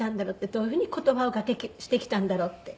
どういうふうに言葉がけしてきたんだろうって。